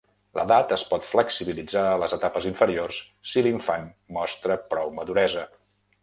L'edat es pot flexibilitzar a les etapes inferiors si l'infant mostra prou maduresa.